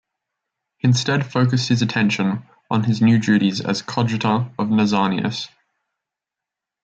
He instead focused his attention on his new duties as coadjutor of Nazianzus.